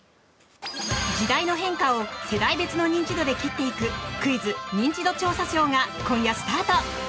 時代の変化を世代別の認知度で斬っていくクイズ「ニンチド調査ショー」が今夜スタート！